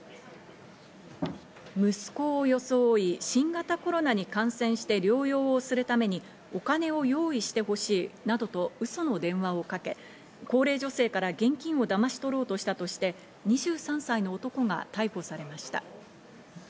息子を装い、新型コロナに感染して療養をするために、お金を用意してほしいなどと嘘の電話をかけ、高齢女性から現金をだまし取ろうとしたとして、２３歳の男が逮捕されました。